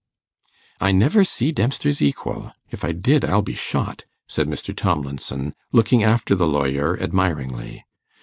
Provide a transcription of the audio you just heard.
'I never see Dempster's equal; if I did I'll be shot,' said Mr. Tomlinson, looking after the lawyer admiringly.